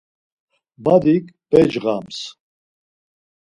Badik becğams.